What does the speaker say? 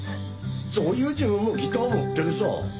そういう自分もギター持ってるさぁ。